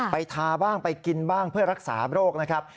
ทาบ้างไปกินบ้างเพื่อรักษาโรคนะครับ